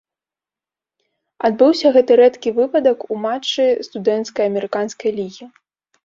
Адбыўся гэты рэдкі выпадак у матчы студэнцкай амерыканскай лігі.